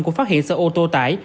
của phát hiện sở ô tô tải